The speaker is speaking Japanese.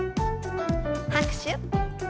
拍手。